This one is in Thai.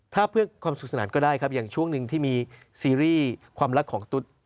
ถ้าเพื่อความสุขสนานก็ได้ครับอย่างช่วงหนึ่งที่มีซีรีส์ความรักของตุ๊ด